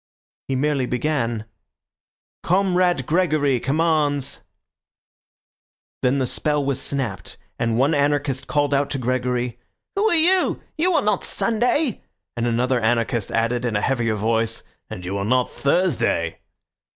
He merely began— "Comrade Gregory commands—" Then the spell was snapped, and one anarchist called out to Gregory— "Who are you? You are not Sunday;" and another anarchist added in a heavier voice, "And you are not Thursday."